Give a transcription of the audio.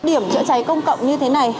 điểm chữa cháy công cộng như thế này